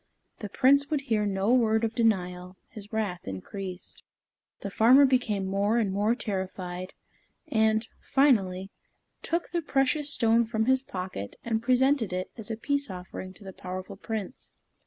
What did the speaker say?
The Prince would hear no word of denial; his wrath increased. The farmer became more and more terrified, and, finally, took the precious stone from his pocket and presented it as a peace offering to the powerful Prince.